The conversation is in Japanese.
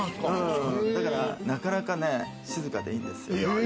だからなかなかね、静かでいいんですよ。